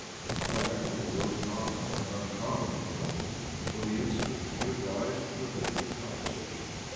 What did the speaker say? In fact, it was not an uncommon phenomenon for the incident to give rise to a lengthy conversation.